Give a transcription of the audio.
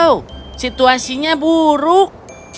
oh situasinya buruk